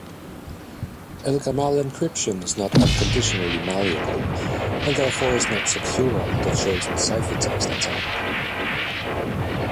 ElGamal encryption is unconditionally malleable, and therefore is not secure under chosen ciphertext attack.